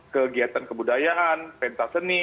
kegiatan kebudayaan pentas seni